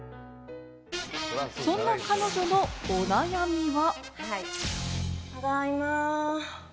そんな彼女のお悩みは。